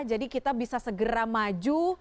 kita bisa segera maju